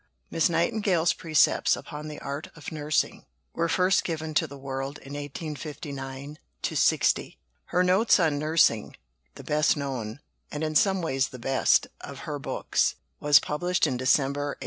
Miss Nightingale's precepts upon the Art of Nursing were first given to the world in 1859 60. Her Notes on Nursing the best known, and in some ways the best, of her books was published in December 1859.